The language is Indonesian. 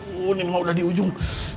oh ini mah udah di ujung